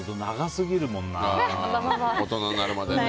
大人になるまでね。